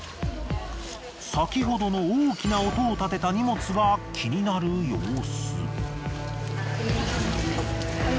先ほどの大きな音をたてた荷物が気になる様子。